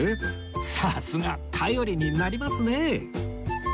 さすが頼りになりますね